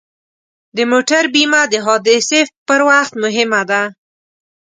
د موټر بیمه د حادثې پر وخت مهمه ده.